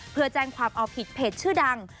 เพื่อแจ้งความเอาผิดเพจชื่อดัง